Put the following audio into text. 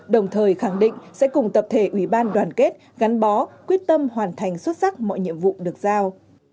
đồng thời khẳng định sẽ cùng tập thể ủy ban đoàn kết gắn bó quyết tâm hoàn thành xuất sắc mọi nhiệm vụ được giao